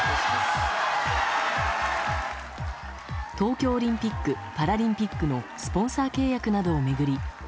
東京オリンピック・パラリンピックのスポンサー契約などを巡り